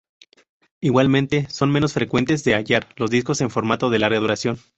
Igualmente, son menos frecuentes de hallar los discos en formato de Larga Duración.